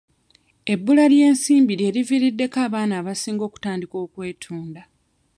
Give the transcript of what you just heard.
Ebbula ly'ensimbi lye liviiriddeko abaana abasinga okutandika okwetunda.